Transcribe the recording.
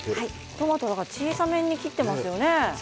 トマトは小さめに切っていますよね。